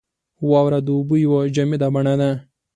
• واوره د اوبو یوه جامده بڼه ده.